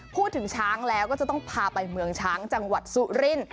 พูดถึงช้างแล้วก็จะต้องพาไปเมืองช้างจังหวัดสุรินทร์